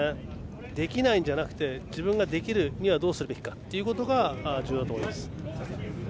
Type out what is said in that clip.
できないんじゃなくて自分ができるにはどうするべきかということが重要だと思います。